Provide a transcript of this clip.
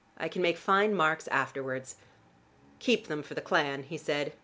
I can make fine marks afterwards." "Keep them for the clan," he said.